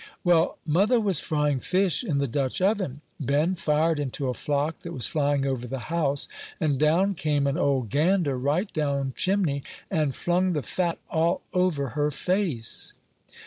"Well, mother was frying fish in the Dutch oven; Ben fired into a flock that was flying over the house, and down came an old gander, right down chimney, and flung the fat all over her face."